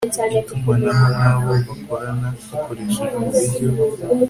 itumanaho n abo bakorana hakoreshejwe uburyo